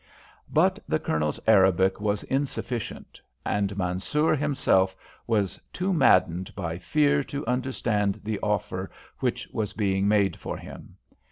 But the Colonel's Arabic was insufficient, and Mansoor himself was too maddened by fear to understand the offer which was being made for him.